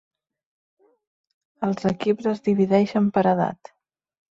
Els equips es divideixen per edat.